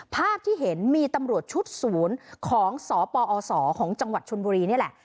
ภาพที่เห็นมีตำรวจชุดศูนย์ของสปอศของจังหวัดชนบุรีนี่แหละ